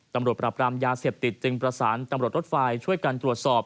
ตำรวจปรับรามยาเสพติดจึงประสานตำรวจรถไฟช่วยกันตรวจสอบ